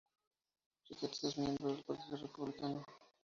Ricketts es miembro del Partido Republicano.